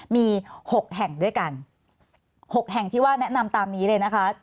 มี๖แห่งด้วยกัน๖แห่งที่ว่าแนะนำตามนี้เลยนะคะ